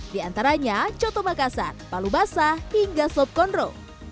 di antaranya coto makassar palu basah hingga slop konro